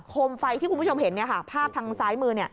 มไฟที่คุณผู้ชมเห็นภาพทางซ้ายมือ